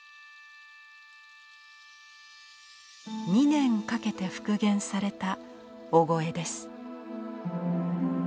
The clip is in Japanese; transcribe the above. ２年かけて復元された「御後絵」です。